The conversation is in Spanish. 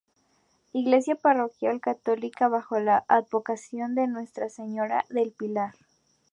Iglesia parroquial católica bajo la advocación de Nuestra Señora del Pilar.